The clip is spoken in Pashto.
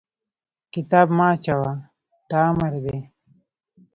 کتاب مه اچوه! دا امر دی.